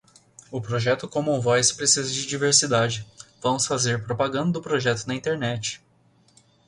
O projeto commonvoice precisa de diversidade, vamos fazer propaganda do projeto na internet